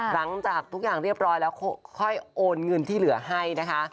หลังจากทุกอย่างเรียบร้อยแล้วค่อยโอนเงินที่เหลือให้นะคะ